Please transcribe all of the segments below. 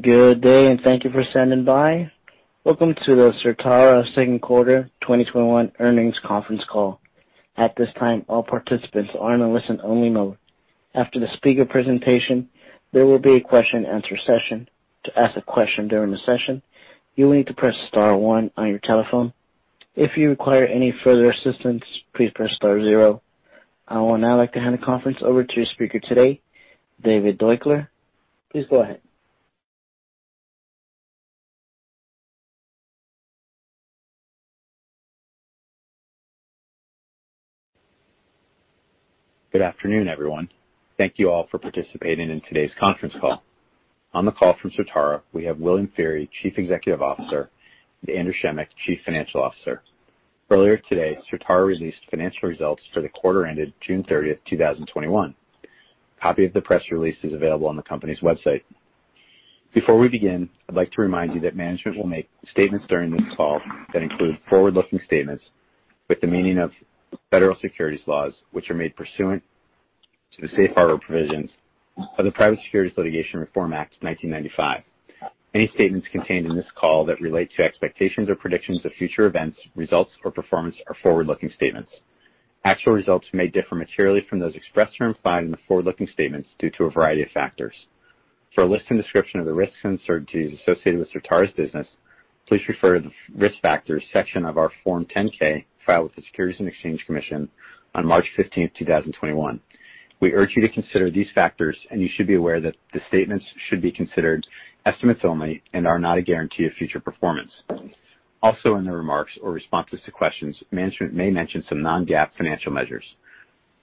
Good day, and thank you for standing by. Welcome to the Certara second quarter 2021 earnings conference call. At this time, all participants are in a listen-only mode. After the speaker's presentation, there will be a question and answer session. To ask a question during the session, you will need to press star one on your telephone. If require any further assistance, please press star zero. I would now like to hand the conference over to your speaker today, David Deuchler. Please go ahead. Good afternoon, everyone. Thank you all for participating in today's conference call. On the call from Certara, we have William Feehery, Chief Executive Officer, and Andrew Schemick, Chief Financial Officer. Earlier today, Certara released financial results for the quarter ended June 30th, 2021. Copy of the press release is available on the company's website. Before we begin, I'd like to remind you that management will make statements during this call that include forward-looking statements with the meaning of federal securities laws, which are made pursuant to the safe harbor provisions of the Private Securities Litigation Reform Act of 1995. Any statements contained in this call that relate to expectations or predictions of future events, results, or performance are forward-looking statements. Actual results may differ materially from those expressed herein found in the forward-looking statements due to a variety of factors. For a list and description of the risks and uncertainties associated with Certara's business, please refer to the risk factors section of our Form 10-K filed with the Securities and Exchange Commission on March 15th, 2021. We urge you to consider these factors, and you should be aware that the statements should be considered estimates only and are not a guarantee of future performance. Also, in the remarks or responses to questions, management may mention some non-GAAP financial measures.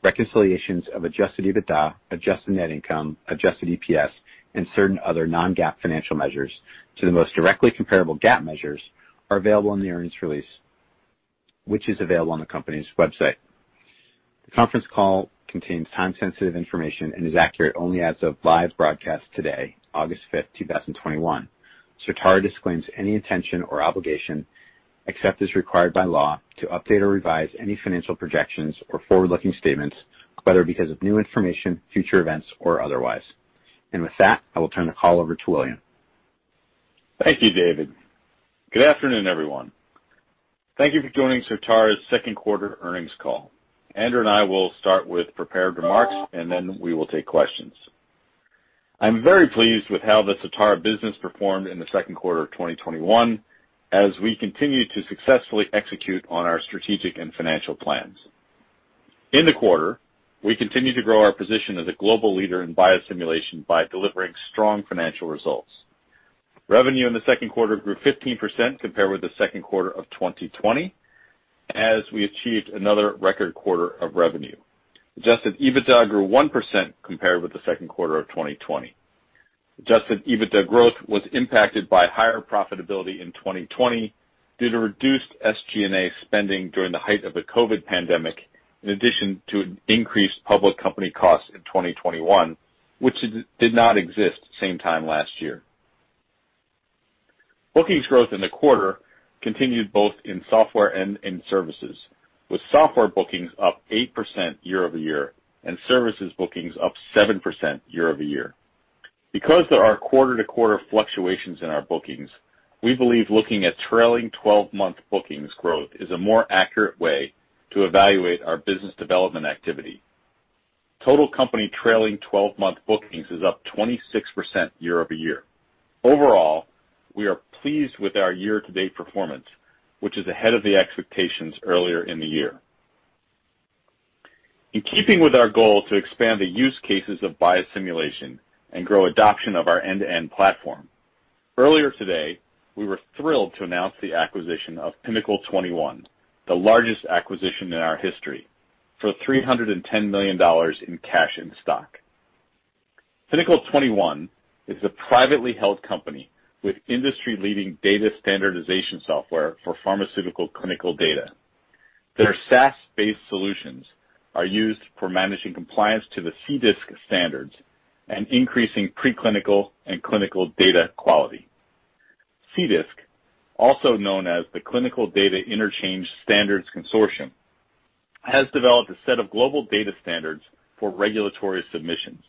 Reconciliations of adjusted EBITDA, adjusted net income, adjusted EPS, and certain other non-GAAP financial measures to the most directly comparable GAAP measures are available in the earnings release, which is available on the company's website. The conference call contains time-sensitive information and is accurate only as of live broadcast today, August 5th, 2021. Certara disclaims any intention or obligation, except as required by law, to update or revise any financial projections or forward-looking statements, whether because of new information, future events, or otherwise. With that, I will turn the call over to William. Thank you, David. Good afternoon, everyone. Thank you for joining Certara's second quarter earnings call. Andrew and I will start with prepared remarks, and then we will take questions. I'm very pleased with how the Certara business performed in the second quarter of 2021 as we continue to successfully execute on our strategic and financial plans. In the quarter, we continued to grow our position as a global leader in biosimulation by delivering strong financial results. Revenue in the second quarter grew 15% compared with the second quarter of 2020 as we achieved another record quarter of revenue. adjusted EBITDA grew 1% compared with the second quarter of 2020. adjusted EBITDA growth was impacted by higher profitability in 2020 due to reduced SG&A spending during the height of the COVID pandemic, in addition to increased public company costs in 2021, which did not exist same time last year. Bookings growth in the quarter continued both in software and in services, with software bookings up 8% year-over-year and services bookings up 7% year-over-year. Because there are quarter-to-quarter fluctuations in our bookings, we believe looking at trailing 12-month bookings growth is a more accurate way to evaluate our business development activity. Total company trailing 12-month bookings is up 26% year-over-year. Overall, we are pleased with our year-to-date performance, which is ahead of the expectations earlier in the year. In keeping with our goal to expand the use cases of biosimulation and grow adoption of our end-to-end platform, earlier today, we were thrilled to announce the acquisition of Pinnacle 21, the largest acquisition in our history, for $310 million in cash in stock. Pinnacle 21 is a privately held company with industry-leading data standardization software for pharmaceutical clinical data. Their SaaS-based solutions are used for managing compliance to the CDISC standards and increasing preclinical and clinical data quality. CDISC, also known as the Clinical Data Interchange Standards Consortium, has developed a set of global data standards for regulatory submissions.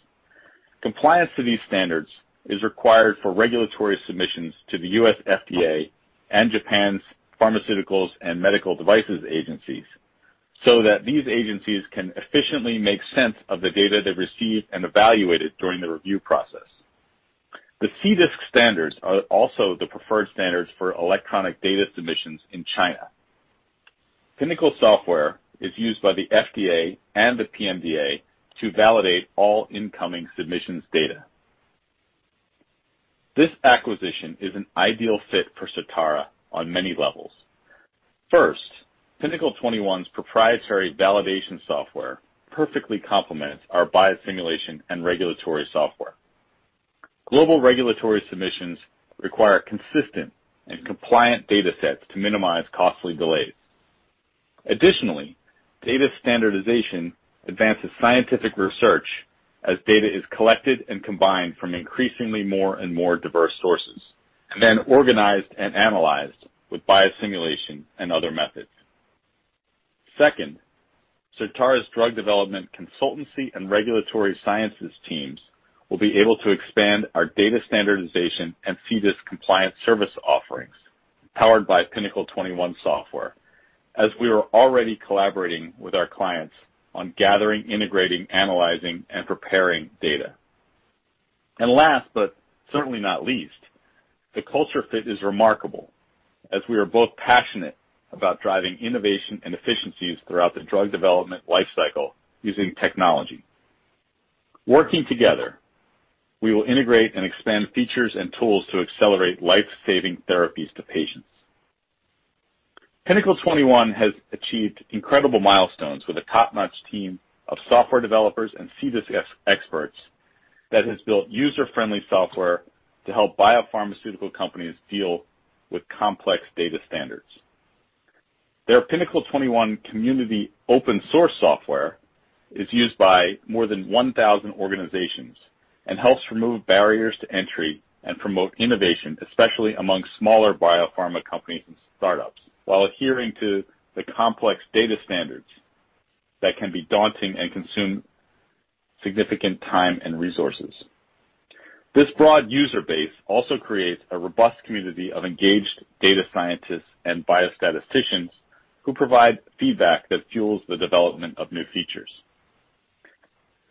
Compliance to these standards is required for regulatory submissions to the U.S. FDA and Japan's Pharmaceuticals and Medical Devices Agency so that these agencies can efficiently make sense of the data they've received and evaluate it during the review process. The CDISC standards are also the preferred standards for electronic data submissions in China. Pinnacle software is used by the FDA and the PMDA to validate all incoming submissions data. This acquisition is an ideal fit for Certara on many levels. First, Pinnacle 21's proprietary validation software perfectly complements our biosimulation and regulatory software. Global regulatory submissions require consistent and compliant data sets to minimize costly delays. Additionally, data standardization advances scientific research as data is collected and combined from increasingly more and more diverse sources, and then organized and analyzed with biosimulation and other methods. Second, Certara's drug development consultancy and regulatory sciences teams will be able to expand our data standardization and CDISC compliance service offerings, powered by Pinnacle 21 software, as we are already collaborating with our clients on gathering, integrating, analyzing, and preparing data. Last, but certainly not least, the culture fit is remarkable as we are both passionate about driving innovation and efficiencies throughout the drug development life cycle using technology. Working together, we will integrate and expand features and tools to accelerate life-saving therapies to patients. Pinnacle 21 has achieved incredible milestones with a top-notch team of software developers and CDISC experts that has built user-friendly software to help biopharmaceutical companies deal with complex data standards. Their Pinnacle 21 Community open-source software is used by more than 1,000 organizations and helps remove barriers to entry and promote innovation, especially among smaller biopharma companies and startups, while adhering to the complex data standards that can be daunting and consume significant time and resources. This broad user base also creates a robust community of engaged data scientists and biostatisticians who provide feedback that fuels the development of new features.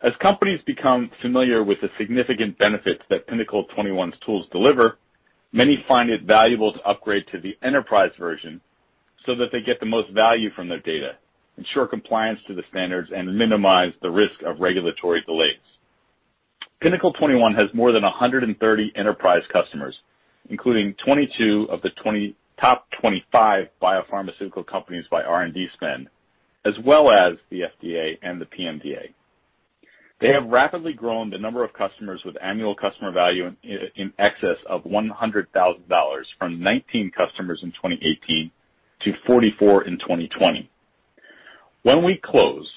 As companies become familiar with the significant benefits that Pinnacle 21's tools deliver, many find it valuable to upgrade to the Enterprise version so that they get the most value from their data, ensure compliance to the standards, and minimize the risk of regulatory delays. Pinnacle 21 has more than 130 enterprise customers, including 22 of the top 25 biopharmaceutical companies by R&D spend, as well as the FDA and the PMDA. They have rapidly grown the number of customers with annual customer value in excess of $100,000 from 19 customers in 2018 to 44 in 2020. When we close,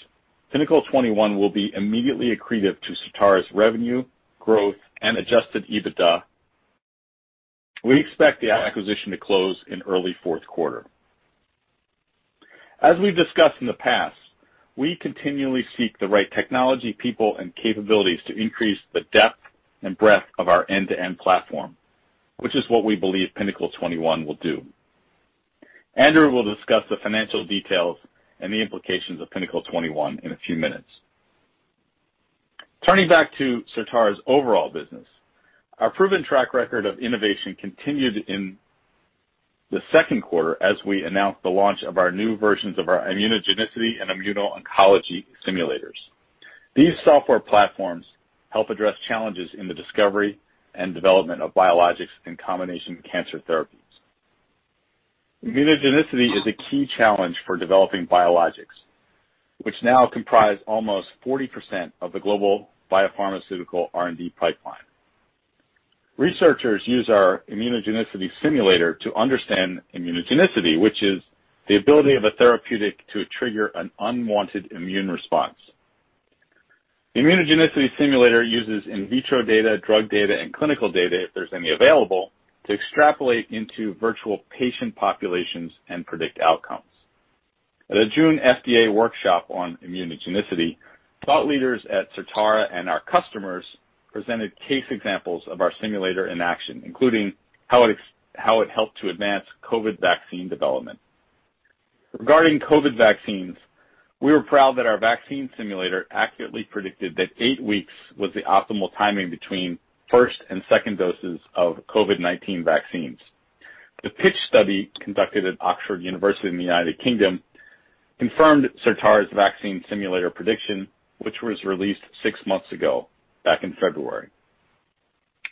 Pinnacle 21 will be immediately accretive to Certara's revenue, growth, and adjusted EBITDA. We expect the acquisition to close in early fourth quarter. As we've discussed in the past, we continually seek the right technology, people, and capabilities to increase the depth and breadth of our end-to-end platform, which is what we believe Pinnacle 21 will do. Andrew will discuss the financial details and the implications of Pinnacle 21 in a few minutes. Turning back to Certara's overall business, our proven track record of innovation continued in the second quarter as we announced the launch of our new versions of our Immunogenicity Simulator and Immuno-oncology Simulator. These software platforms help address challenges in the discovery and development of biologics and combination cancer therapies. Immunogenicity is a key challenge for developing biologics, which now comprise almost 40% of the global biopharmaceutical R&D pipeline. Researchers use our Immunogenicity Simulator to understand immunogenicity, which is the ability of a therapeutic to trigger an unwanted immune response. The Immunogenicity Simulator uses in vitro data, drug data, and clinical data, if there's any available, to extrapolate into virtual patient populations and predict outcomes. At a June FDA workshop on immunogenicity, thought leaders at Certara and our customers presented case examples of our simulator in action, including how it helped to advance COVID vaccine development. Regarding COVID vaccines, we were proud that our Vaccine Simulator accurately predicted that eight weeks was the optimal timing between first and second doses of COVID-19 vaccines. The PITCH study, conducted at Oxford University in the U.K., confirmed Certara's Vaccine Simulator prediction, which was released six months ago, back in February.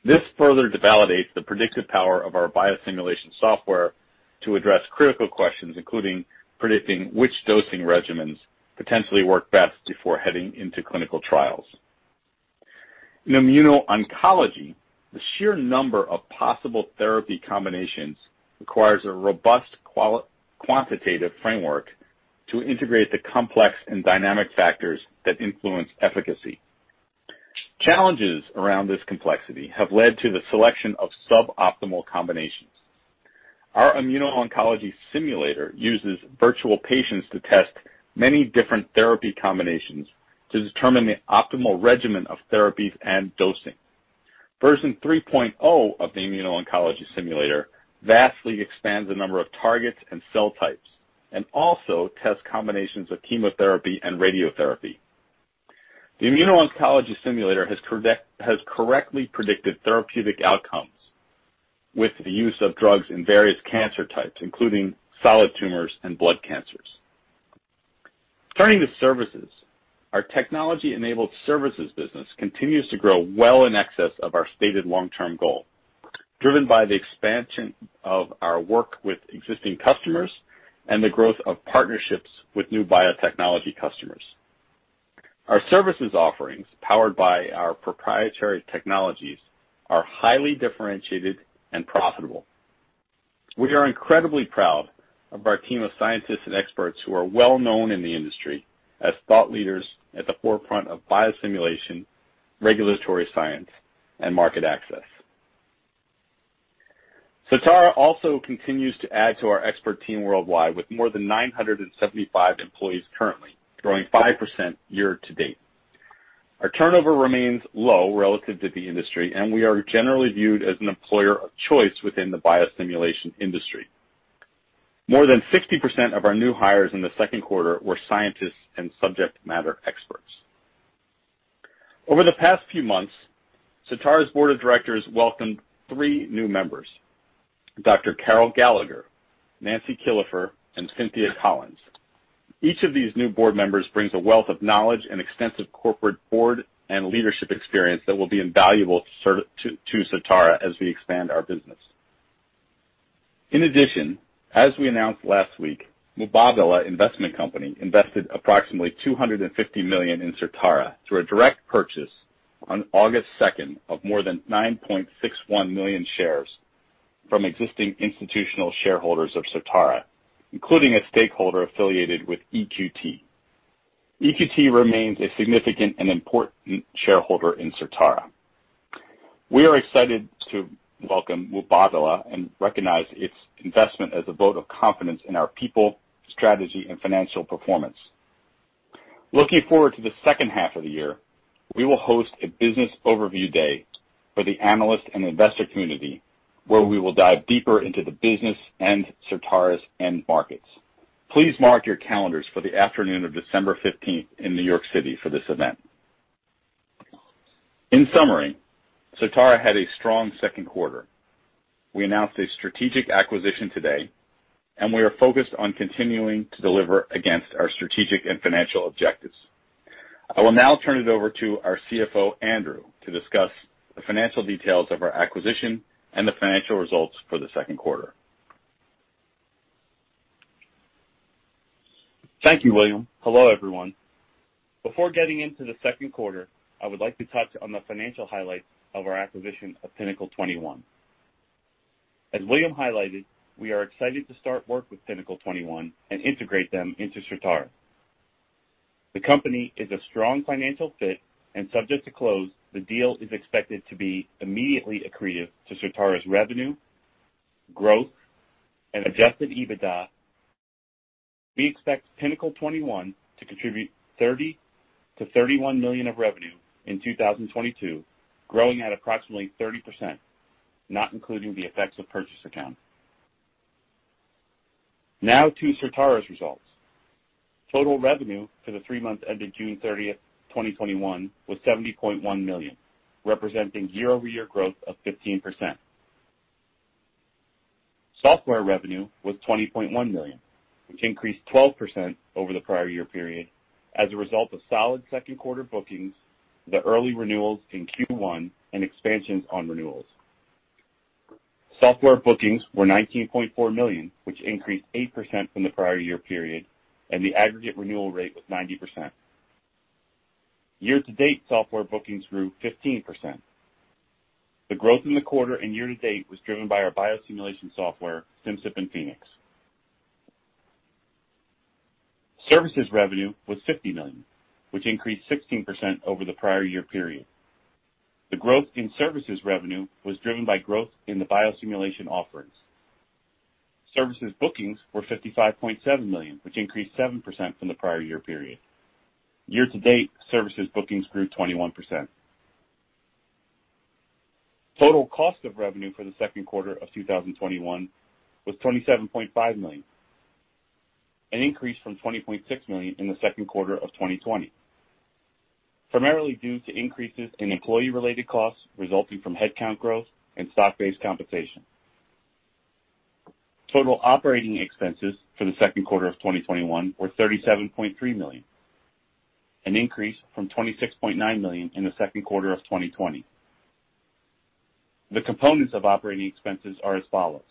This further validates the predictive power of our biosimulation software to address critical questions, including predicting which dosing regimens potentially work best before heading into clinical trials. In immuno-oncology, the sheer number of possible therapy combinations requires a robust quantitative framework to integrate the complex and dynamic factors that influence efficacy. Challenges around this complexity have led to the selection of sub-optimal combinations. Our Immuno-oncology Simulator uses virtual patients to test many different therapy combinations to determine the optimal regimen of therapies and dosing. Version 3.0 of the Immuno-oncology Simulator vastly expands the number of targets and cell types, and also tests combinations of chemotherapy and radiotherapy. The Immuno-oncology Simulator has correctly predicted therapeutic outcomes with the use of drugs in various cancer types, including solid tumors and blood cancers. Turning to services, our technology-enabled services business continues to grow well in excess of our stated long-term goal, driven by the expansion of our work with existing customers and the growth of partnerships with new biotechnology customers. Our services offerings, powered by our proprietary technologies, are highly differentiated and profitable. We are incredibly proud of our team of scientists and experts who are well-known in the industry as thought leaders at the forefront of biosimulation, regulatory science, and market access. Certara also continues to add to our expert team worldwide with more than 975 employees currently, growing 5% year-to-date. Our turnover remains low relative to the industry, and we are generally viewed as an employer of choice within the biosimulation industry. More than 60% of our new hires in the second quarter were scientists and subject matter experts. Over the past few months, Certara's Board of Directors welcomed three new members, Dr. Carol Gallagher, Nancy Killefer, and Cynthia Collins. Each of these new Board members brings a wealth of knowledge and extensive corporate Board and leadership experience that will be invaluable to Certara as we expand our business. In addition, as we announced last week, Mubadala Investment Company invested approximately $250 million in Certara through a direct purchase on August 2nd of more than 9.61 million shares from existing institutional shareholders of Certara, including a stakeholder affiliated with EQT. EQT remains a significant and important shareholder in Certara. We are excited to welcome Mubadala and recognize its investment as a vote of confidence in our people, strategy, and financial performance. Looking forward to the second half of the year, we will host a Business Overview Day for the analyst and investor community, where we will dive deeper into the business and Certara's end markets. Please mark your calendars for the afternoon of December 15th in New York City for this event. In summary, Certara had a strong second quarter. We announced a strategic acquisition today, and we are focused on continuing to deliver against our strategic and financial objectives. I will now turn it over to our CFO, Andrew, to discuss the financial details of our acquisition and the financial results for the second quarter. Thank you, William. Hello, everyone. Before getting into the second quarter, I would like to touch on the financial highlights of our acquisition of Pinnacle 21. As William highlighted, we are excited to start work with Pinnacle 21 and integrate them into Certara. The company is a strong financial fit and subject to close. The deal is expected to be immediately accretive to Certara's revenue, growth, and adjusted EBITDA. We expect Pinnacle 21 to contribute $30 million-$31 million of revenue in 2022, growing at approximately 30%, not including the effects of purchase accounting. To Certara's results. Total revenue for the three months ending June 30, 2021, was $70.1 million, representing year-over-year growth of 15%. Software revenue was $20.1 million, which increased 12% over the prior year period as a result of solid second quarter bookings, the early renewals in Q1, and expansions on renewals. Software bookings were $19.4 million, which increased 8% from the prior year period, and the aggregate renewal rate was 90%. Year-to-date software bookings grew 15%. The growth in the quarter and year to date was driven by our biosimulation software, Simcyp and Phoenix. Services revenue was $50 million, which increased 16% over the prior year period. The growth in services revenue was driven by growth in the biosimulation offerings. Services bookings were $55.7 million, which increased 7% from the prior year period. Year to date, services bookings grew 21%. Total cost of revenue for the second quarter of 2021 was $27.5 million, an increase from $20.6 million in the second quarter of 2020, primarily due to increases in employee-related costs resulting from headcount growth and stock-based compensation. Total operating expenses for the second quarter of 2021 were $37.3 million, an increase from $26.9 million in the second quarter of 2020. The components of operating expenses are as follows.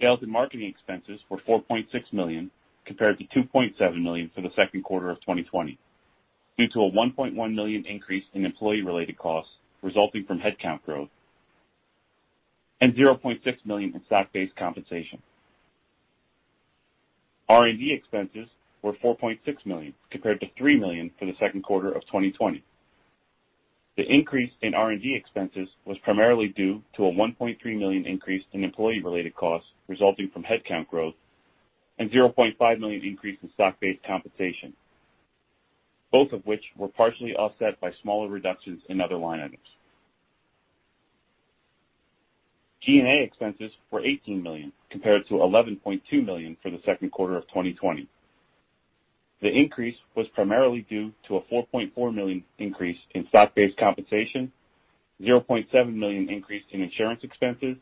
Sales and marketing expenses were $4.6 million, compared to $2.7 million for the second quarter of 2020, due to a $1.1 million increase in employee-related costs resulting from headcount growth and $0.6 million in stock-based compensation. R&D expenses were $4.6 million, compared to $3 million for the second quarter of 2020. The increase in R&D expenses was primarily due to a $1.3 million increase in employee-related costs resulting from headcount growth and $0.5 million increase in stock-based compensation, both of which were partially offset by smaller reductions in other line items. G&A expenses were $18 million, compared to $11.2 million for the second quarter of 2020. The increase was primarily due to a $4.4 million increase in stock-based compensation, $0.7 million increase in insurance expenses,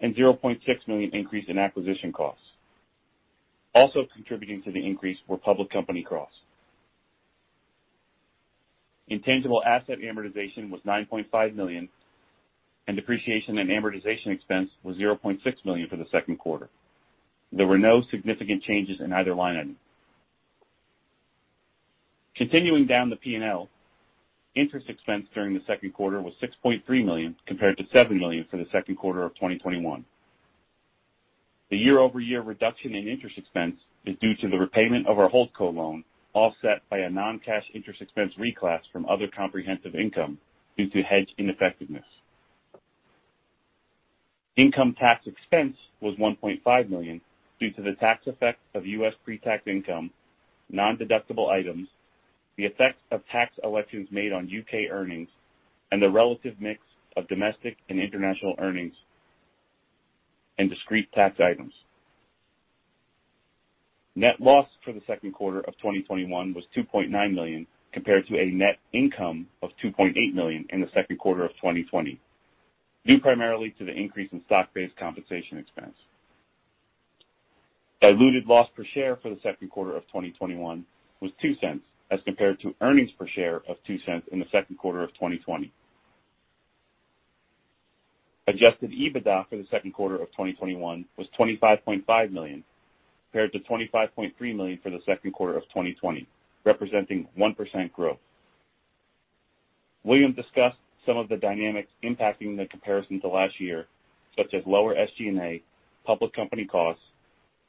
and $0.6 million increase in acquisition costs. Also contributing to the increase were public company costs. Intangible asset amortization was $9.5 million, and depreciation and amortization expense was $0.6 million for the second quarter. There were no significant changes in either line item. Continuing down the P&L, interest expense during the second quarter was $6.3 million, compared to $7 million for the second quarter of 2021. The year-over-year reduction in interest expense is due to the repayment of our HoldCo loan, offset by a non-cash interest expense reclass from other comprehensive income due to hedge ineffectiveness. Income tax expense was $1.5 million due to the tax effect of U.S. pre-tax income, non-deductible items, the effect of tax elections made on U.K. earnings, and the relative mix of domestic and international earnings and discrete tax items. Net loss for the second quarter of 2021 was $2.9 million compared to a net income of $2.8 million in the second quarter of 2020, due primarily to the increase in stock-based compensation expense. Diluted loss per share for the second quarter of 2021 was $0.02 as compared to earnings per share of $0.02 in the second quarter of 2020. adjusted EBITDA for the second quarter of 2021 was $25.5 million compared to $25.3 million for the second quarter of 2020, representing 1% growth. William discussed some of the dynamics impacting the comparison to last year, such as lower SG&A, public company costs,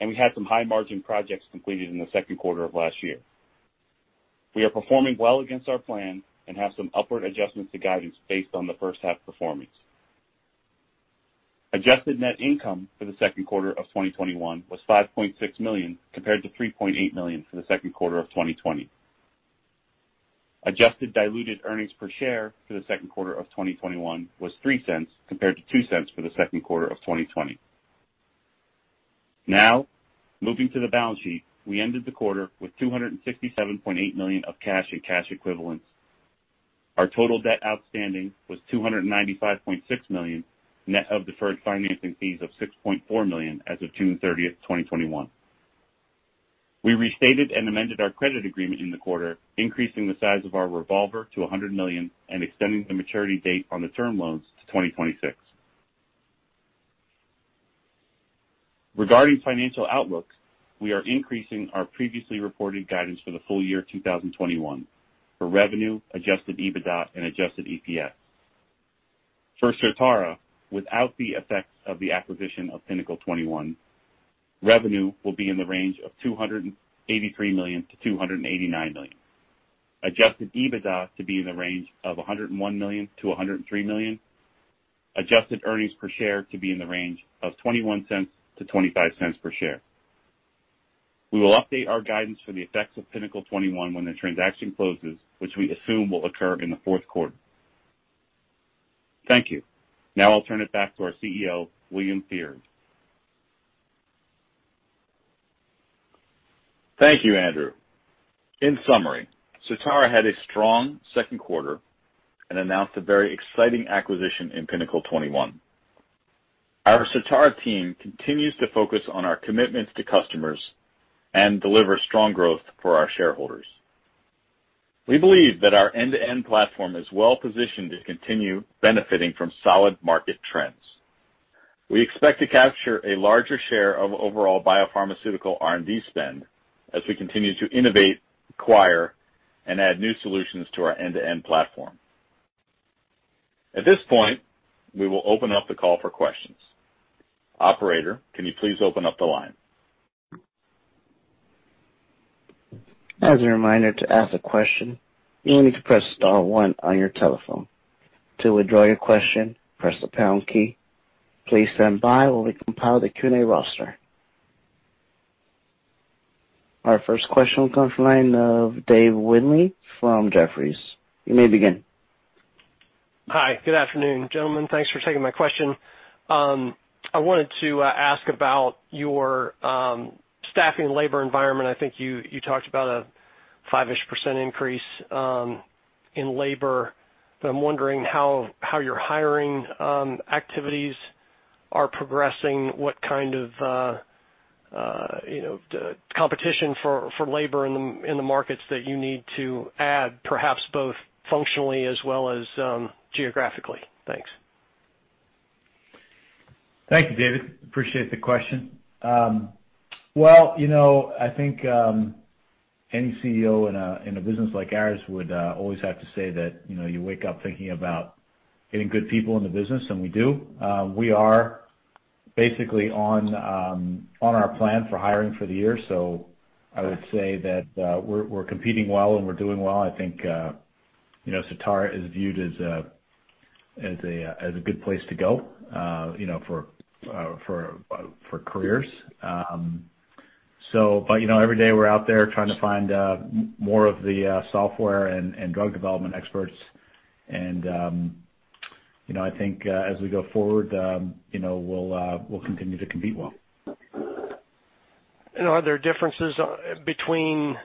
and we had some high-margin projects completed in the second quarter of last year. We are performing well against our plan and have some upward adjustments to guidance based on the first half performance. Adjusted net income for the second quarter of 2021 was $5.6 million compared to $3.8 million for the second quarter of 2020. Adjusted diluted earnings per share for the second quarter of 2021 was $0.03 compared to $0.02 for the second quarter of 2020. Moving to the balance sheet. We ended the quarter with $267.8 million of cash and cash equivalents. Our total debt outstanding was $295.6 million, net of deferred financing fees of $6.4 million as of June 30th, 2021. We restated and amended our credit agreement in the quarter, increasing the size of our revolver to $100 million and extending the maturity date on the term loans to 2026. Regarding financial outlook, we are increasing our previously reported guidance for the full year 2021 for revenue, adjusted EBITDA, and adjusted EPS. For Certara, without the effects of the acquisition of Pinnacle 21, revenue will be in the range of $283 million-$289 million. Adjusted EBITDA to be in the range of $101 million-$103 million. Adjusted earnings per share to be in the range of $0.21-$0.25/share. We will update our guidance for the effects of Pinnacle 21 when the transaction closes, which we assume will occur in the fourth quarter. Thank you. Now I'll turn it back to our CEO, William Feehery. Thank you, Andrew. In summary, Certara had a strong second quarter and announced a very exciting acquisition in Pinnacle 21. Our Certara team continues to focus on our commitments to customers and deliver strong growth for our shareholders. We believe that our end-to-end platform is well-positioned to continue benefiting from solid market trends. We expect to capture a larger share of overall biopharmaceutical R&D spend as we continue to innovate, acquire, and add new solutions to our end-to-end platform. At this point, we will open up the call for questions. Operator, can you please open up the line? As a remainder to ask a question you need to press star one on your telephone. To withdraw your question press pound key. Please standby while we compile the Q&A roster. Our first question comes from the line of Dave Windley from Jefferies. You may begin. Hi. Good afternoon, gentlemen. Thanks for taking my question. I wanted to ask about your staffing labor environment. I think you talked about a 5-ish% increase in labor, but I'm wondering how your hiring activities are progressing. What kind of competition for labor in the markets that you need to add, perhaps both functionally as well as geographically. Thanks. Thank you, David. Appreciate the question. I think any CEO in a business like ours would always have to say that you wake up thinking about getting good people in the business, and we do. We are basically on our plan for hiring for the year. I would say that we're competing well and we're doing well. I think Certara is viewed as a good place to go for careers. Every day we're out there trying to find more of the software and drug development experts and I think as we go forward, we'll continue to compete well. Are there differences between,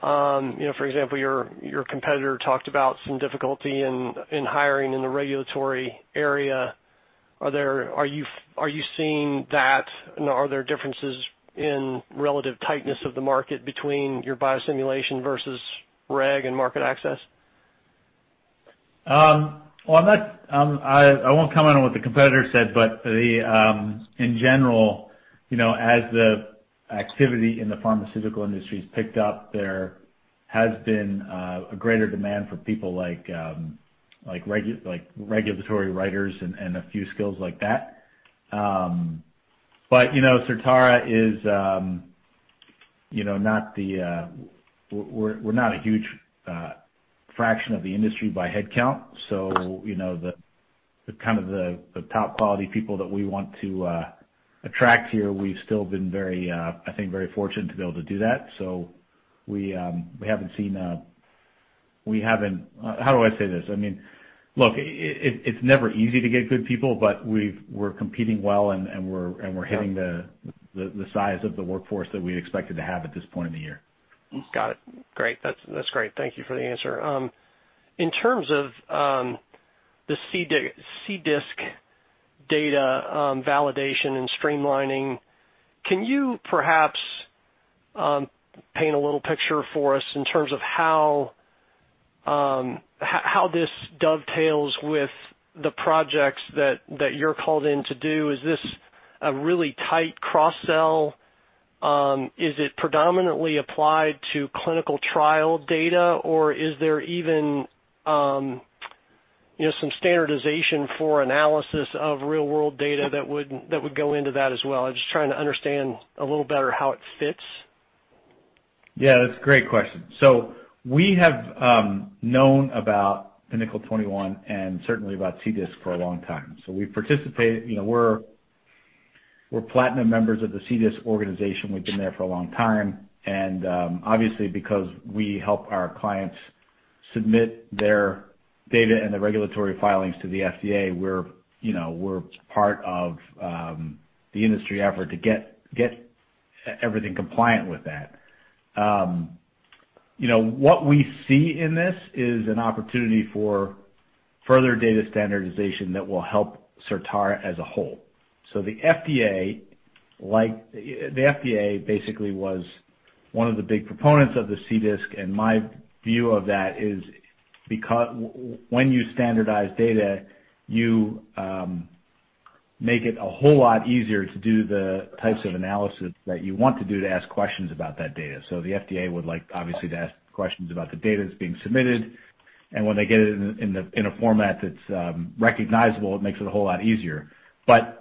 for example, your competitor talked about some difficulty in hiring in the regulatory area? Are you seeing that and are there differences in relative tightness of the market between your biosimulation versus reg and market access? I won't comment on what the competitor said, but in general, as the activity in the pharmaceutical industry has picked up, there. Has been a greater demand for people like regulatory writers and a few skills like that. Certara, we're not a huge fraction of the industry by head count. The top quality people that we want to attract here, we've still been very fortunate to be able to do that. We haven't seen How do I say this? Look, it's never easy to get good people, but we're competing well, and we're hitting the size of the workforce that we expected to have at this point in the year. Got it. Great. That's great. Thank you for the answer. In terms of the CDISC data validation and streamlining, can you perhaps paint a little picture for us in terms of how this dovetails with the projects that you're called in to do? Is this a really tight cross-sell? Is it predominantly applied to clinical trial data, or is there even some standardization for analysis of real world data that would go into that as well? I'm just trying to understand a little better how it fits. Yeah, that's a great question. We have known about Pinnacle 21 and certainly about CDISC for a long time. We participate. We're platinum members of the CDISC organization. We've been there for a long time, and, obviously, because we help our clients submit their data and the regulatory filings to the FDA, we're part of the industry effort to get everything compliant with that. What we see in this is an opportunity for further data standardization that will help Certara as a whole. The FDA basically was one of the big proponents of the CDISC, and my view of that is when you standardize data, you make it a whole lot easier to do the types of analysis that you want to do to ask questions about that data. The FDA would like, obviously, to ask questions about the data that's being submitted, and when they get it in a format that's recognizable, it makes it a whole lot easier.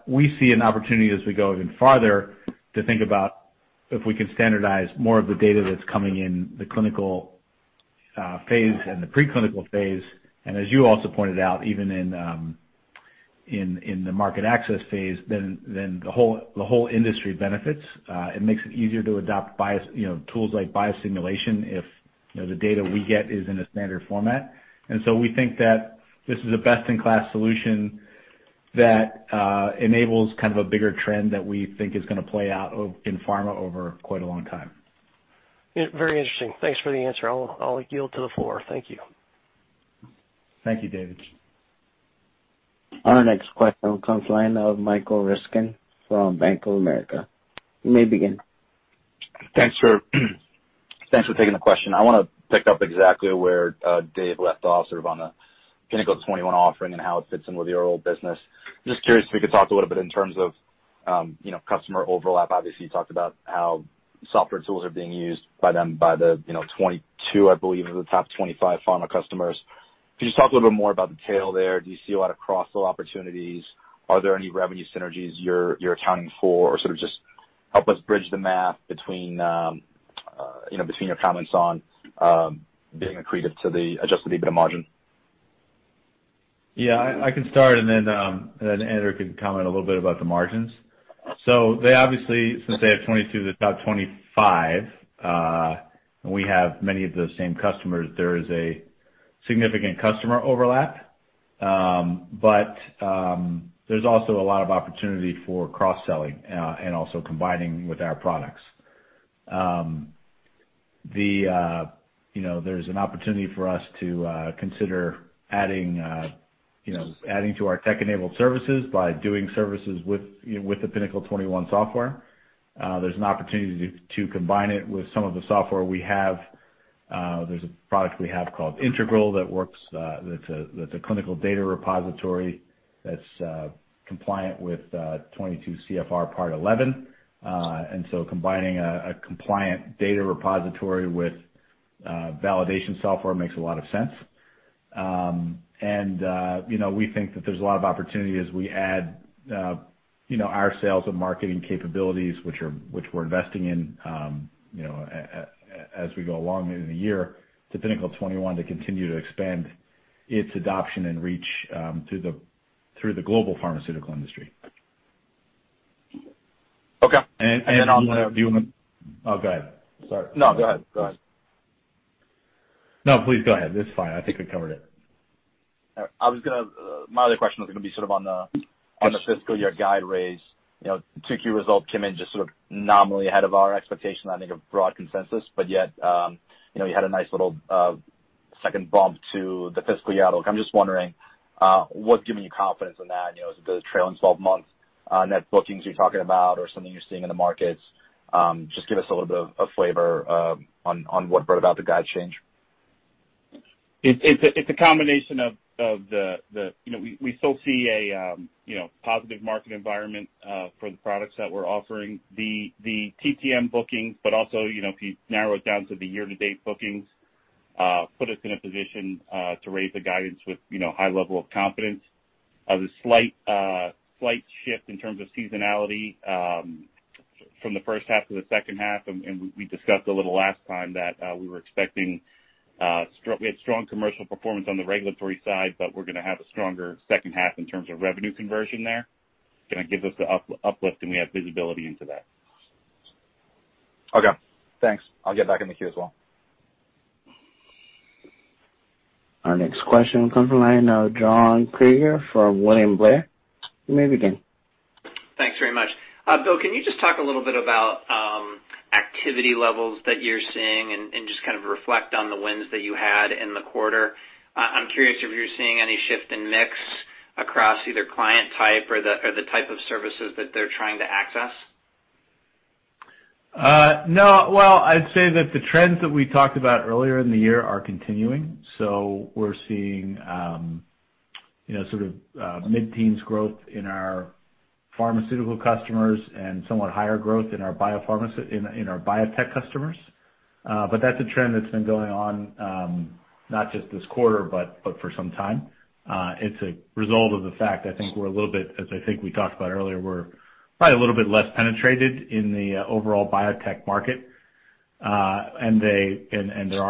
We see an opportunity as we go even farther, to think about if we can standardize more of the data that's coming in the clinical phase and the pre-clinical phase. As you also pointed out, even in the market access phase, then the whole industry benefits. It makes it easier to adopt tools like biosimulation if the data we get is in a standard format. We think that this is a best-in-class solution that enables a bigger trend that we think is going to play out in pharma over quite a long time. Very interesting. Thanks for the answer. I'll yield to the floor. Thank you. Thank you, David. Our next question comes line of Michael Ryskin from Bank of America. You may begin. Thanks for taking the question. I want to pick up exactly where Dave left off on the Pinnacle 21 offering and how it fits in with your old business. Curious if we could talk a little bit in terms of customer overlap. You talked about how software tools are being used by them, by the 22, I believe, of the top 25 pharma customers. Could you just talk a little more about the tail there? Do you see a lot of cross-sell opportunities? Are there any revenue synergies you're accounting for? Just help us bridge the math between your comments on being accretive to the adjusted EBITDA margin. Yeah, I can start and then Andrew can comment a little bit about the margins. They obviously, since they have 22 of the top 25, and we have many of those same customers, there is a significant customer overlap. There's also a lot of opportunity for cross-selling and also combining with our products. There's an opportunity for us to consider adding to our tech-enabled services by doing services with the Pinnacle 21 software. There's an opportunity to combine it with some of the software we have. There's a product we have called Integral, that's a clinical data repository that's compliant with 22 CFR Part 11. Combining a compliant data repository with validation software makes a lot of sense. We think that there's a lot of opportunity as we add our sales and marketing capabilities, which we're investing in as we go along in the year, to Pinnacle 21 to continue to expand its adoption and reach through the global pharmaceutical industry. Okay. Oh, go ahead. Sorry. No, go ahead. No, please go ahead. It's fine. I think we covered it. My other question was going to be on the- Sure. fiscal year guide raise. 2Q result came in just nominally ahead of our expectation, I think, of broad consensus. Yet, you had a nice little second bump to the fiscal year outlook. I'm just wondering, what's giving you confidence in that? Is it the trailing 12-month net bookings you're talking about or something you're seeing in the markets? Just give us a little bit of flavor on what brought about the guide change. It's a combination of the--. We still see a positive market environment for the products that we're offering. The TTM bookings, but also, if you narrow it down to the year-to-date bookings, put us in a position to raise the guidance with high level of confidence. There's a slight shift in terms of seasonality from the first half to the second half, and we discussed a little last time that we had strong commercial performance on the regulatory side, but we're going to have a stronger second half in terms of revenue conversion there. It's going to give us the uplift, and we have visibility into that. Okay, thanks. I'll get back in the queue as well. Our next question comes from the line of John Kreger from William Blair. You may begin. Thanks very much. Bill, can you just talk a little bit about activity levels that you're seeing and just kind of reflect on the wins that you had in the quarter? I'm curious if you're seeing any shift in mix across either client type or the type of services that they're trying to access. No. Well, I'd say that the trends that we talked about earlier in the year are continuing. We're seeing sort of mid-teens growth in our pharmaceutical customers and somewhat higher growth in our biotech customers. That's a trend that's been going on not just this quarter, but for some time. It's a result of the fact, I think we're a little bit, as I think we talked about earlier, we're probably a little bit less penetrated in the overall biotech market. There are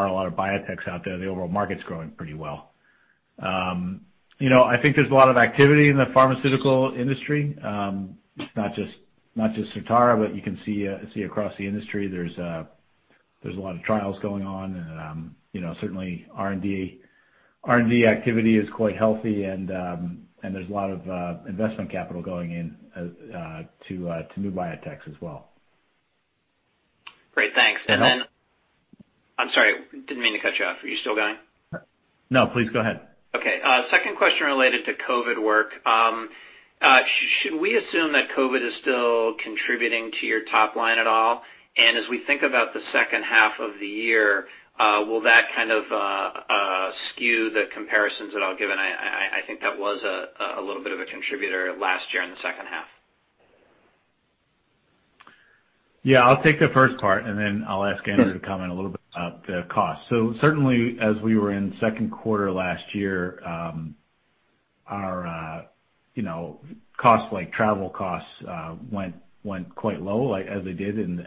a lot of biotechs out there. The overall market's growing pretty well. I think there's a lot of activity in the pharmaceutical industry. Not just Certara, but you can see across the industry, there's a lot of trials going on and certainly R&D activity is quite healthy and there's a lot of investment capital going in to new biotechs as well. Great. Thanks. Then. Can I help? I'm sorry. Didn't mean to cut you off. Are you still going? No, please go ahead. Okay. 2nd question related to COVID work. Should we assume that COVID is still contributing to your top line at all? As we think about the 2nd half of the year, will that kind of skew the comparisons at all? I think that was a little bit of a contributor last year in the 2nd half. I'll take the first part, and then I'll ask Andrew to comment a little bit about the cost. Certainly, as we were in second quarter last year, our costs, like travel costs, went quite low, as they did, and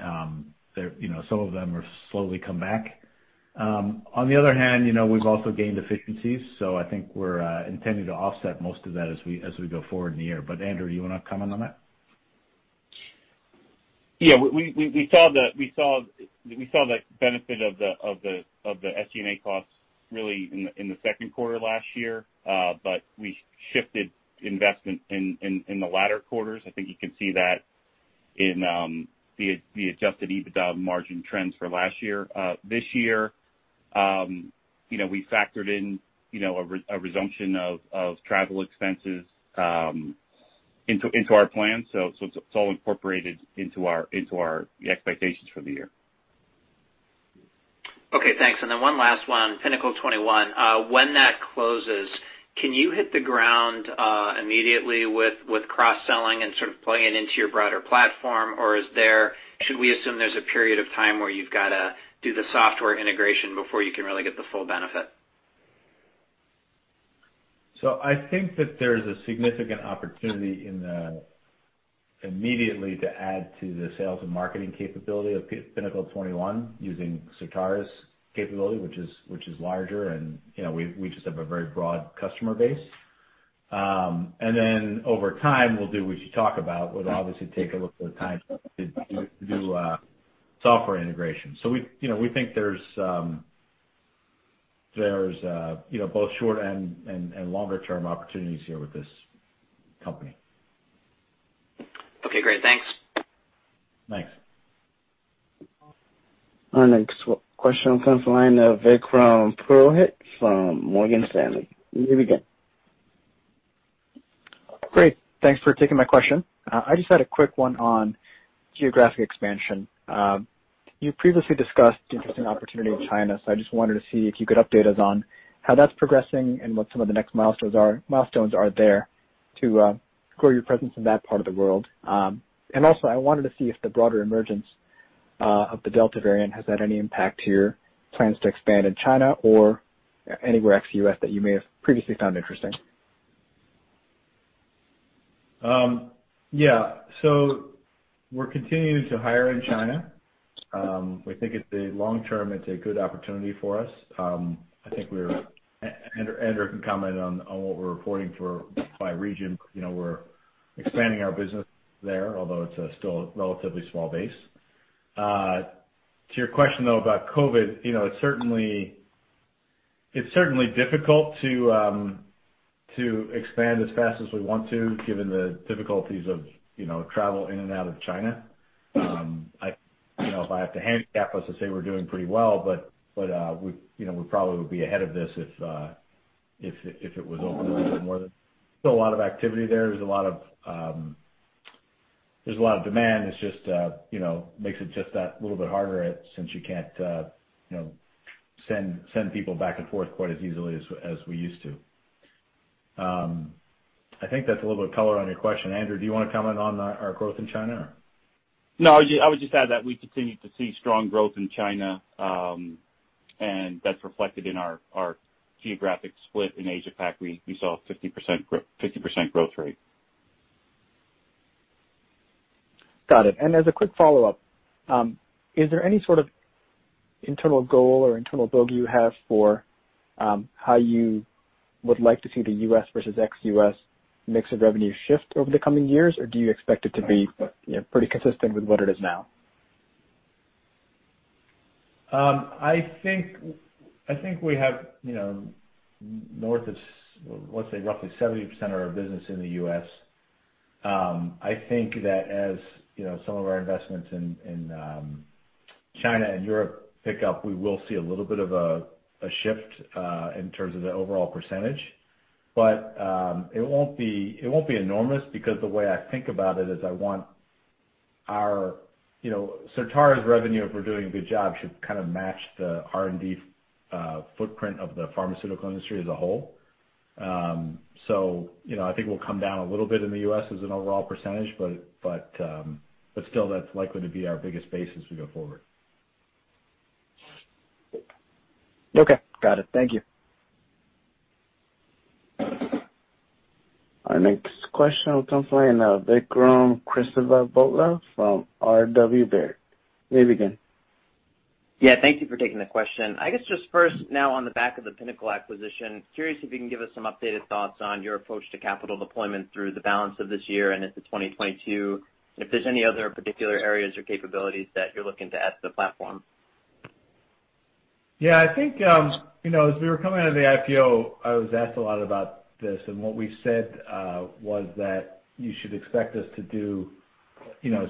some of them have slowly come back. On the other hand, we've also gained efficiencies, so I think we're intending to offset most of that as we go forward in the year. Andrew, you want to comment on that? Yeah. We saw the benefit of the SG&A costs really in the second quarter last year. We shifted investment in the latter quarters. I think you can see that in the adjusted EBITDA margin trends for last year. This year, we factored in a resumption of travel expenses into our plan. It's all incorporated into our expectations for the year. Okay, thanks. One last one, Pinnacle 21. When that closes, can you hit the ground immediately with cross-selling and sort of plugging it into your broader platform, or should we assume there's a period of time where you've got to do the software integration before you can really get the full benefit? I think that there is a significant opportunity immediately to add to the sales and marketing capability of Pinnacle 21 using Certara's capability, which is larger and we just have a very broad customer base. Over time, we'll do what you talk about. We'll obviously take a look for the time to do software integration. We think there's both short and longer-term opportunities here with this company. Okay, great. Thanks. Thanks. Our next question comes from the line of Vikram Purohit from Morgan Stanley. You may begin. Great. Thanks for taking my question. I just had a quick one on geographic expansion. You previously discussed interesting opportunity in China, I just wanted to see if you could update us on how that's progressing and what some of the next milestones are there to grow your presence in that part of the world. Also, I wanted to see if the broader emergence of the Delta variant, has that any impact to your plans to expand in China or anywhere ex-U.S. that you may have previously found interesting? Yeah. We're continuing to hire in China. We think long-term, it's a good opportunity for us. Andrew can comment on what we're reporting by region. We're expanding our business there, although it's still a relatively small base. To your question, though, about COVID, it's certainly difficult to expand as fast as we want to, given the difficulties of travel in and out of China. If I have to handicap us and say we're doing pretty well, but we probably would be ahead of this if it was open a little bit more. There's still a lot of activity there. There's a lot of demand, it just makes it just that little bit harder since you can't send people back and forth quite as easily as we used to. I think that's a little bit of color on your question. Andrew, do you want to comment on our growth in China or? No, I would just add that we continue to see strong growth in China, and that's reflected in our geographic split in Asia-Pac. We saw a 50% growth rate. Got it. As a quick follow-up, is there any sort of internal goal or internal bogey you have for how you would like to see the U.S. versus ex-U.S. mix of revenue shift over the coming years? Or do you expect it to be pretty consistent with what it is now? I think we have north of, let's say, roughly 70% of our business in the U.S. I think that as some of our investments in China and Europe pick up, we will see a little bit of a shift in terms of the overall percentage. It won't be enormous because the way I think about it is I want Certara's revenue, if we're doing a good job, should kind of match the R&D footprint of the pharmaceutical industry as a whole. I think we'll come down a little bit in the U.S. as an overall percentage, but still that's likely to be our biggest base as we go forward. Okay. Got it. Thank you. Our next question comes from Vikram Kesavabhotla from R.W. Baird. You may begin. Yeah, thank you for taking the question. I guess just first now on the back of the Pinnacle acquisition, curious if you can give us some updated thoughts on your approach to capital deployment through the balance of this year and into 2022, if there's any other particular areas or capabilities that you're looking to add to the platform. Yeah, I think, as we were coming out of the IPO, I was asked a lot about this. What we said was that you should expect us to do, we have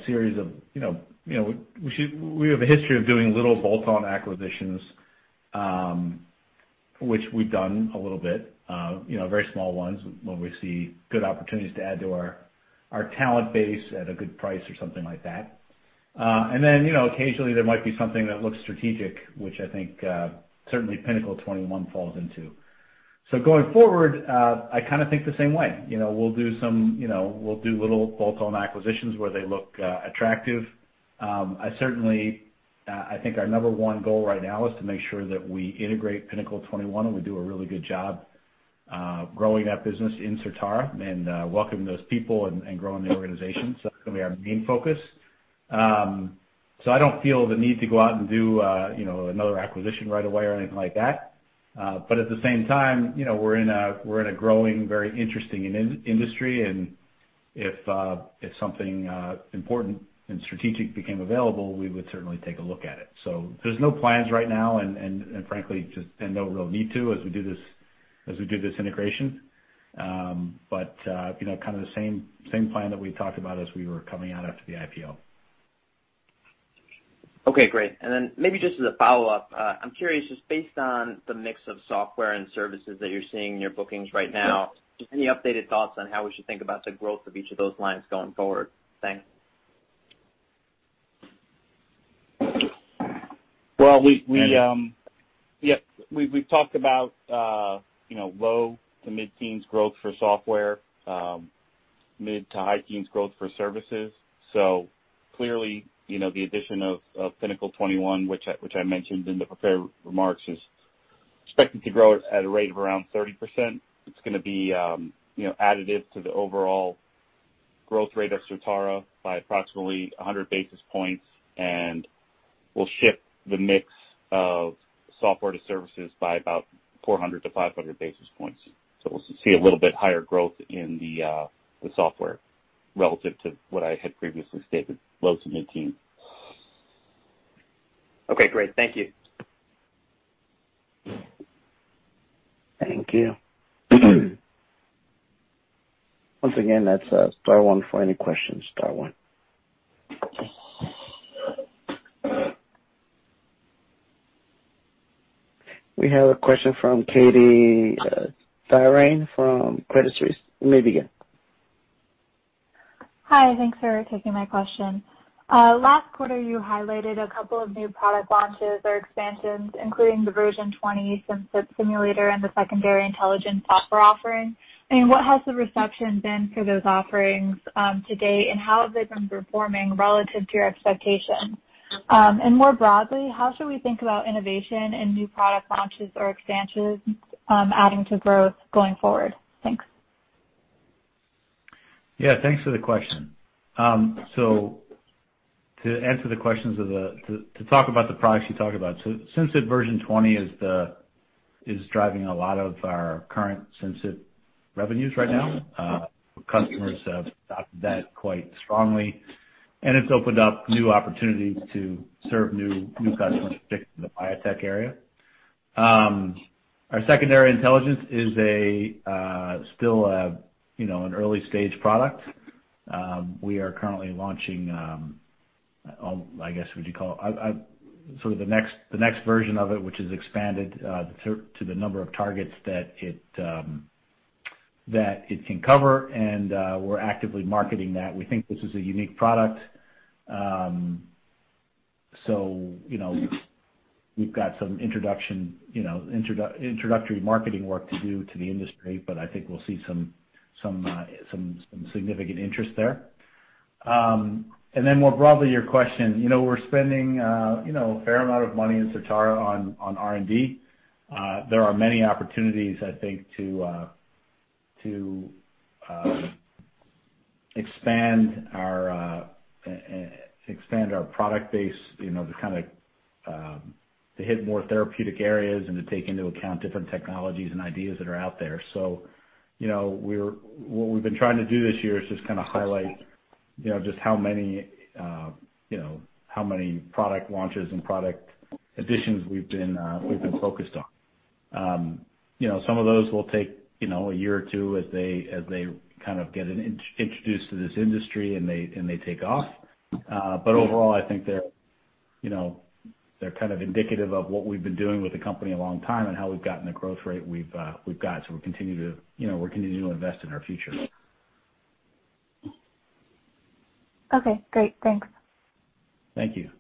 a history of doing little bolt-on acquisitions, which we've done a little bit, very small ones when we see good opportunities to add to our talent base at a good price or something like that. Occasionally there might be something that looks strategic, which I think certainly Pinnacle 21 falls into. Going forward, I kind of think the same way. We'll do little bolt-on acquisitions where they look attractive. I think our number one goal right now is to make sure that we integrate Pinnacle 21 and we do a really good job growing that business in Certara and welcoming those people and growing the organization. That's going to be our main focus. I don't feel the need to go out and do another acquisition right away or anything like that. At the same time, we're in a growing, very interesting industry, and if something important and strategic became available, we would certainly take a look at it. There's no plans right now, and frankly, just no real need to, as we do this integration. Kind of the same plan that we talked about as we were coming out after the IPO. Okay, great. Maybe just as a follow-up, I'm curious, just based on the mix of software and services that you're seeing in your bookings right now, just any updated thoughts on how we should think about the growth of each of those lines going forward. Thanks. Yeah. We've talked about low to mid-teens growth for software, mid to high teens growth for services. Clearly, the addition of Pinnacle 21, which I mentioned in the prepared remarks, is expected to grow at a rate of around 30%. It's going to be additive to the overall growth rate of Certara by approximately 100 basis points, and will shift the mix of software to services by about 400-500 basis points. We'll see a little bit higher growth in the software relative to what I had previously stated, low to mid-teen. Okay, great. Thank you. Thank you. Once again, that's star one for any questions, star one. We have a question from Katie Tryhane from Credit Suisse. You may begin. Hi. Thanks for taking my question. Last quarter you highlighted a couple of new product launches or expansions, including the version 20 Simcyp Simulator and the Secondary Intelligence software offering. What has the reception been for those offerings to date, and how have they been performing relative to your expectations? More broadly, how should we think about innovation and new product launches or expansions adding to growth going forward? Thanks. Yeah, thanks for the question. To answer the questions to talk about the products you talked about, so Simcyp Simulator version 20 is driving a lot of our current Simcyp revenues right now. Customers have adopted that quite strongly, and it's opened up new opportunities to serve new customers, particularly in the biotech area. Our Secondary Intelligence is still an early-stage product. We are currently launching, I guess, would you call sort of the next version of it, which is expanded to the number of targets that it can cover, and we're actively marketing that. We think this is a unique product, so we've got some introductory marketing work to do to the industry, but I think we'll see some significant interest there. More broadly, your question, we're spending a fair amount of money in Certara on R&D. There are many opportunities, I think, to expand our product base to hit more therapeutic areas and to take into account different technologies and ideas that are out there. What we've been trying to do this year is just kind of highlight just how many product launches and product additions we've been focused on. Some of those will take a year or two as they kind of get introduced to this industry and they take off. Overall, I think they're kind of indicative of what we've been doing with the company a long time and how we've gotten the growth rate we've got. We're continuing to invest in our future. Okay, great. Thanks. Thank you.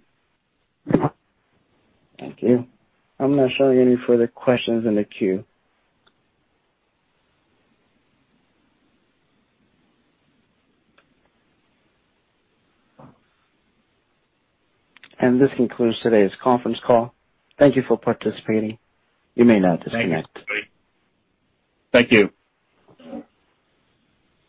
Thank you. I'm not showing any further questions in the queue. This concludes today's conference call. Thank you for participating. You may now disconnect. Thank you.